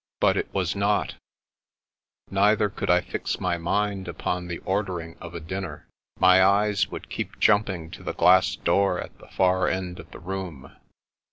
But it was not; neither could I fix my mind upon the ordering of a dinner. My eyes would keep jumping to the glass door at the far end of the room.